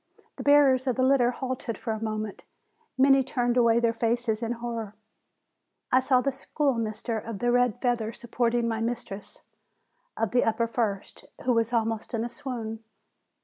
The bearers of the litter halted for a moment. Many turned away their faces in horror. I saw the schoolmistress of the red feather supporting my mis tress of the upper first, who was almost in a swoon.